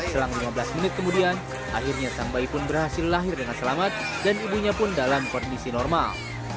selang lima belas menit kemudian akhirnya sang bayi pun berhasil lahir dengan selamat dan ibunya pun dalam kondisi normal